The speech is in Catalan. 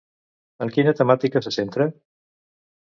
En quina temàtica se centra?